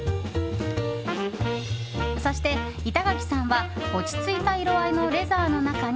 そして板垣さんは落ち着いた色合いのレザーの中に